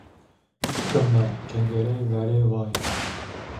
Bime kengerê verê vay.